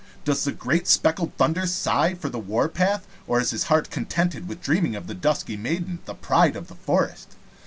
Does the great Speckled Thunder sigh for the war path, or is his heart contented with dreaming of the dusky maiden, the Pride of the Forest?